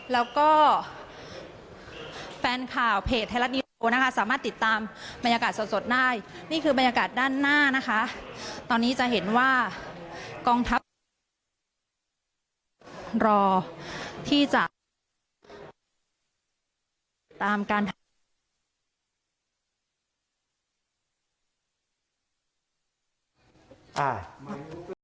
แล้วก็แฟนข่าวเพจไทยรัฐนิวโกนะคะสามารถติดตามบรรยากาศสดได้นี่คือบรรยากาศด้านหน้านะคะตอนนี้จะเห็นว่ากองทัพรอที่จะตามการทำ